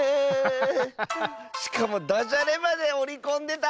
しかもだじゃれまでおりこんでた！